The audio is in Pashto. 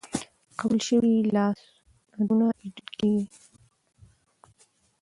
قبول شوي لاسوندونه ایډیټ کیږي.